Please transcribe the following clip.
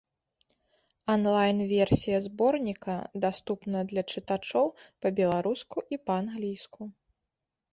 Анлайн-версія зборніка даступна для чытачоў па-беларуску і па-англійску.